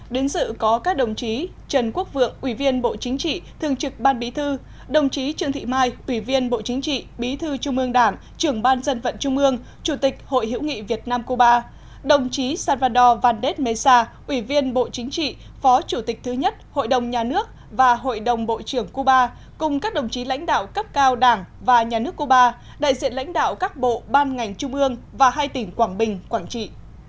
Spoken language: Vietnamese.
đến sự có các đồng chí trần quốc vượng ủy viên bộ chính trị thường trực ban bí thư đồng chí trương thị mai ủy viên bộ chính trị bí thư trung ương đảng trưởng ban dân vận trung ương chủ tịch hội hữu nghị việt nam cuba đồng chí salvador valdes mesa ủy viên bộ chính trị phó chủ tịch thứ nhất hội đồng nhà nước và hội đồng bộ trưởng cuba cùng các đồng chí lãnh đạo cấp cao đảng và nhà nước cuba đại diện lãnh đạo các bộ ban ngành trung ương và hai tỉnh quảng bình quảng trị